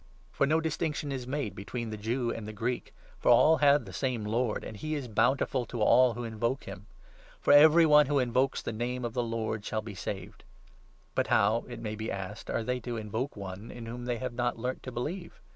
For no distinction is made between the Jew and the Greek, for 12 all have the same Lord, and he is bountiful to all who invoke 'him. For 'every one who invokes the Name of the Lord shall 13 be saved.' But how, it may be asked, are they to invoke one 14 in whom they have not learnt to believe